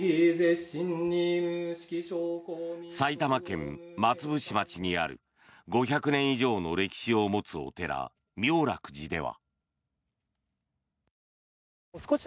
埼玉県松伏町にある５００年以上の歴史を持つお寺妙楽寺では。